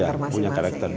pasti iya punya karakter